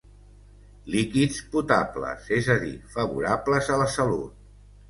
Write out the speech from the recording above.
Líquids potables, és a dir, favorables a la salut.